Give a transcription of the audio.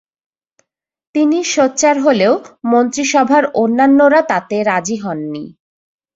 তিনি সোচ্চার হলে মন্ত্রিসভার অন্যান্যরা তাতে রাজী হননি।